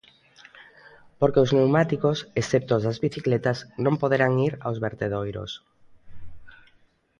Porque os pneumáticos, excepto os das bicicletas, non poderán ir aos vertedoiros.